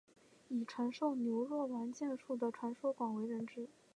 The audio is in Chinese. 以传授牛若丸剑术的传说广为人知。